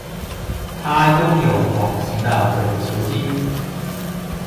它拥有卵形的伪球茎。